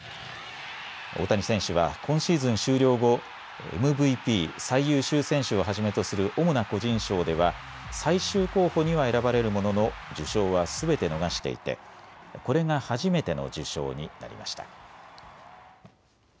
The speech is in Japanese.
大谷選手は今シーズン終了後、ＭＶＰ・最優秀選手をはじめとする主な個人賞では最終候補には選ばれるものの受賞はすべて逃していてこれが初めての受賞になりました。